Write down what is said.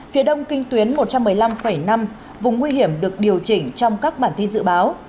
phía đông kinh tuyến một trăm một mươi năm năm vùng nguy hiểm được điều chỉnh trong các bản tin dự báo